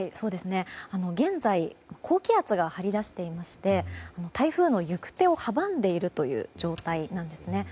現在、高気圧が張り出していまして台風の行く手を阻んでいるという状態なんですね。